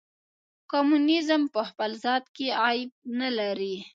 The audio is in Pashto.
کمونیزم په خپل ذات کې عیب نه لري.